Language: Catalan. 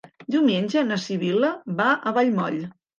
Diumenge na Sibil·la va a Vallmoll.